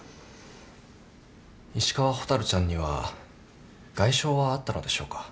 石川蛍ちゃんには外傷はあったのでしょうか？